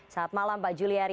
selamat malam pak juliari